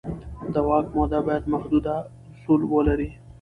د واک موده باید محدود اصول ولري